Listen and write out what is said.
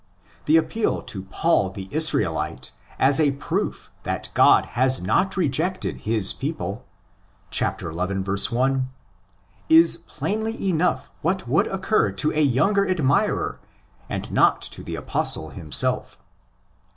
The appeal to Paul the Israelite as a proof that God has not rejected his people (xi. 1) is plainly enough what would occur to a younger admirer and not to the Apostle himself.